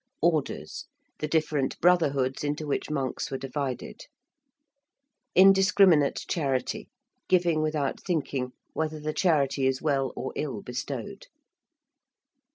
~orders~: the different brotherhoods into which monks were divided. ~indiscriminate charity~: giving without thinking, whether the charity is well or ill bestowed.